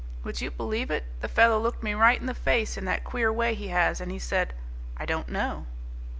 Would you believe it, the fellow looked me right in the face in that queer way he has and he said, 'I don't know!'"